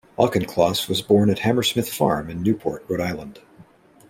Auchincloss was born at Hammersmith Farm in Newport, Rhode Island.